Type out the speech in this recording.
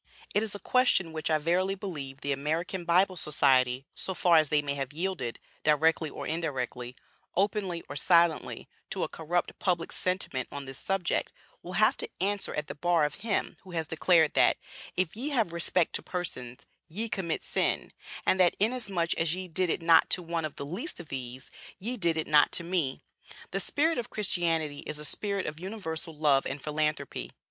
It is a question which I verily believe the American Bible Society, so far as they may have yielded, directly or indirectly, openly or silently, to a corrupt public sentiment on this subject, will have to answer at the bar of Him who has declared, that, 'If ye have respect to persons, ye commit sin,' and that 'Inasmuch as ye did it not to one of the least of these, ye did it not to me.' The spirit of Christianity is a spirit of universal love and philanthropy.